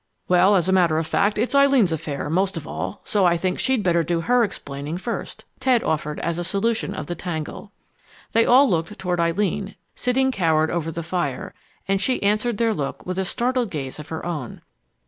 "Well, as a matter of fact, it's Eileen's affair, most of all, so I think she'd better do her explaining first," Ted offered as a solution of the tangle. They all looked toward Eileen, sitting cowered over the fire, and she answered their look with a startled gaze of her own.